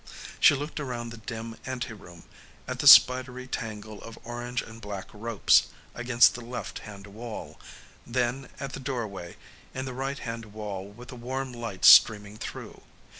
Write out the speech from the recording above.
She looked around the dim anteroom, at the spidery tangle of orange and black ropes against the left hand wall; then at the doorway in the right hand wall with the warm light streaming through.